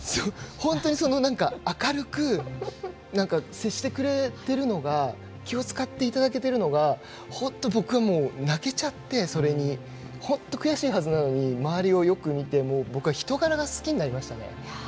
本当に明るく接してくれてるのが気を使っていただけてるのが本当に僕は泣けちゃってそれに、悔しいはずなのに周りをよく見て人柄が好きになりましたね。